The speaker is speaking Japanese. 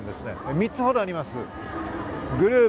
３つほどあります。